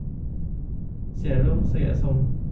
เสียรูปเสียทรง